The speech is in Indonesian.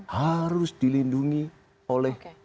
harus dilindungi oleh